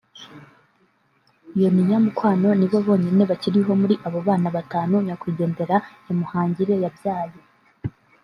Yoniya Mukwano nibo bonyine bakiriho muri abo bana batanu nyakwigendera Kyamuhangire yabyaye